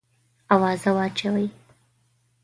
آوازه واچوې.